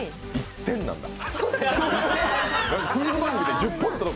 １点なんだ。